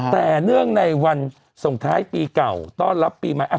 แต่เนื่องในวันส่งท้ายปีเก่าต้อนรับปีใหม่